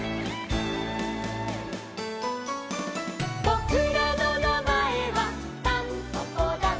「ぼくらのなまえはタンポポだん」